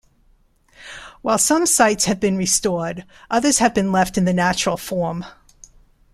While some sites have been restored others have been left in the natural form.